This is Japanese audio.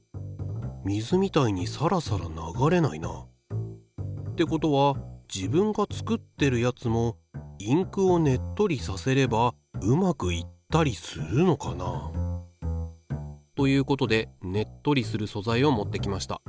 水みたいにサラサラ流れないな。ってことは自分が作ってるやつもインクをねっとりさせればうまくいったりするのかな？ということでねっとりする素材を持ってきました。